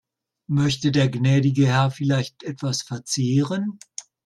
Möchte der gnädige Herr vielleicht etwas verzehren?